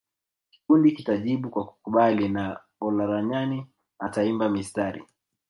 Kikundi kitajibu kwa kukubali na Olaranyani ataimba mistari